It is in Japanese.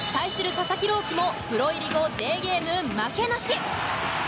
佐々木朗希もプロ入り後デーゲーム負けなし。